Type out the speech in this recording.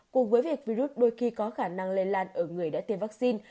cùng với việc virus đôi khi có khả năng lây lan ở người đã tiêm vaccine